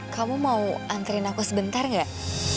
kamu mau antri aku sebentar gak